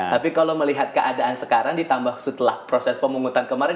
tapi kalau melihat keadaan sekarang ditambah setelah proses pemungutan kemarin